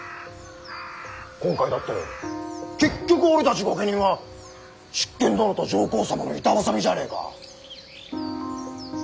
今回だって結局俺たち御家人は執権殿と上皇様の板挟みじゃねえか。